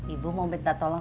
ibu mau minta tolong